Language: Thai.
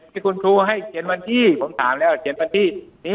ที่คุณครูให้เขียนวันที่ผมถามแล้วเขียนวันที่นี้